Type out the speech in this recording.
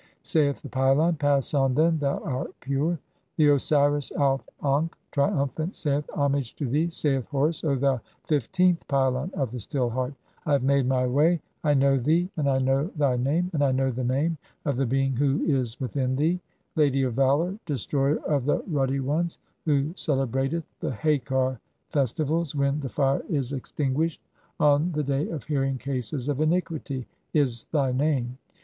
[Saith the pylon :—] "Pass on, then, thou art pure." XV. (53) The Osiris Auf ankh, triumphant, saith :— "Homage to thee, saith Horus, O thou fifteenth pylon of "the Still Heart. I have made [my] way. I know thee, and I 250 THE CHAPTERS OF COMING FORTH BY DAY. "know thy name, (54) and I know the name of the being who "is within thee. 'Lady of valour, destroyer of the ruddy ones, "who celebrateth the Haker festivals (?) [when] the fire is ex tinguished on the day of hearing [cases of] iniquity', is thy "name.